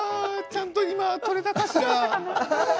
ちゃんと今撮れたかしら？